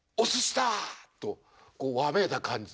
とこうわめいた感じ。